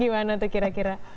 gimana tuh kira kira